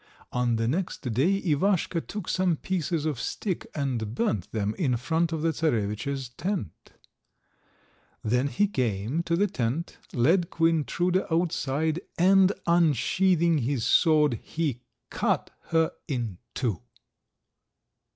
On the next day Ivaschka took some pieces of stick and burnt them in front of the Czarovitch's tent. Then he came to the tent, led Queen Truda outside, and unsheathing his sword he cut her in two.